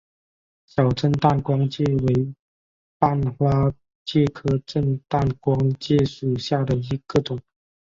小震旦光介为半花介科震旦光介属下的一个种。